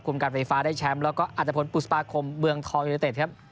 การไฟฟ้าได้แชมป์แล้วก็อัตภพลปุศปาคมเมืองทองยูนิเต็ดครับ